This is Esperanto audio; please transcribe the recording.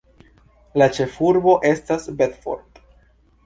La ĉefurbo estas Bedford.